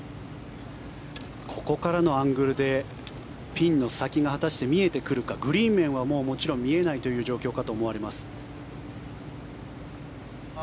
ここからのアングルでピンの先が果たして見えてくるかグリーン面は見えない状況かと思われます。